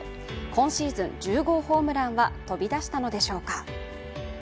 今シーズン１０号ホームランは飛び出したのでしょうか。